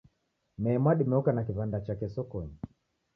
Mee Mwadime oka na kiw'anda chake sokonyi